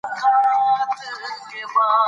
تر اسمانه وزرونه د ختلو